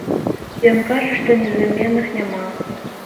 Ён кажа, што незаменных няма.